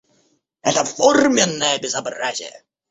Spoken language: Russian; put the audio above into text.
Это форменное безобразие.